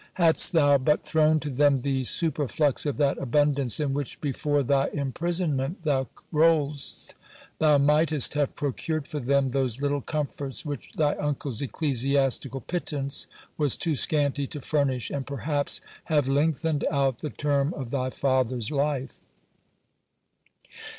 Hadst thou but thrown to them the superflux of that abundance, in which before thy imprisonment thou rolledst, thou mightest have procured for them those little comforts which thy uncle's ecclesiastical pittance was too scanty to furnish, ani perhaps have lengthened out the term of thy fathers life.